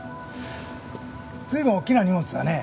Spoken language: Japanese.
随分大きな荷物だね